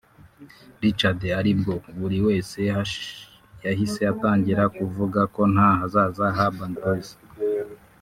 Richard aribwo buri wese yahise atangira kuvuga ko nta hazaza ha Urban Boys